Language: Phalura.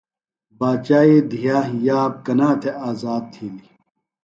باچائی دیہہ یاب کنا تھےۡ آزاد تِھیلیۡ؟